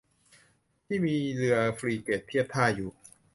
ที่มีเรือฟริเกตเทียบท่าอยู่